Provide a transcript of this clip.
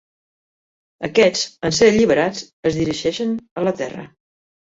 Aquests, en ser alliberats, es dirigeixen a la Terra.